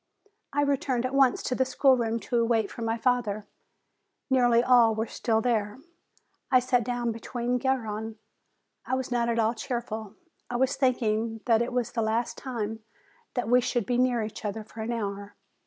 I returned at once to the schoolroom to wait for my father. Nearly all were still there. I sat down be side Garrone. I was not at all cheerful ; I was think ing that it was the last time that we should be near each other for an hour.